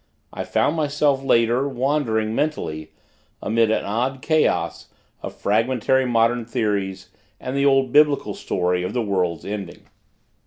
I found myself, later, wandering, mentally, amid an odd chaos of fragmentary modern theories and the old Biblical story of the world's ending.